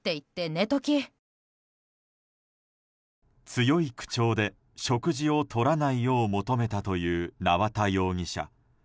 強い口調で食事をとらないよう求めたという縄田容疑者。